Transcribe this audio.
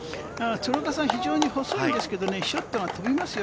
鶴岡さんは非常に細いんですけれど、ショットが飛びますよ。